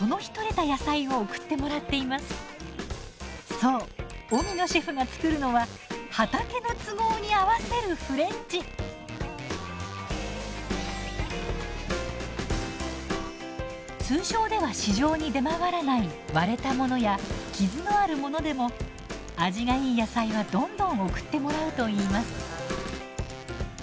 そう荻野シェフが作るのは通常では市場に出回らない割れたものや傷のあるものでも味がいい野菜はどんどん送ってもらうといいます。